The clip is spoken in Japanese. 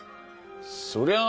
そりゃあ